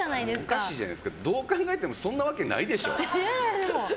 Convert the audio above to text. おかしいじゃないですかどう考えてもそんなわけないでしょ。